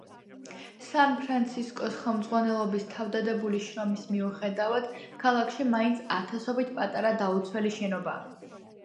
სან-ფრანცისკოს ხელმძღვანელობის თავდადებული შრომის მიუხედავად ქალაქში მაინც ათასობით პატარა დაუცველი შენობაა.